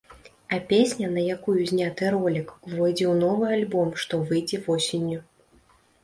А песня, на якую зняты ролік, увойдзе ў новы альбом, што выйдзе восенню.